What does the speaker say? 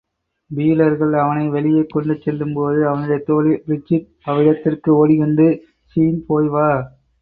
பீலர்கள் அவனை வெளியே கொண்டு செல்லும்போது அவனுடைய தோழி பிரிஜிட் அவ்விடத்திற்கு ஓடிவந்து, ஸீன் போய்வா!